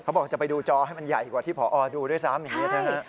บอกจะไปดูจอให้มันใหญ่กว่าที่พอดูด้วยซ้ำอย่างนี้นะฮะ